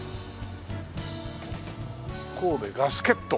「神戸ガスケット」。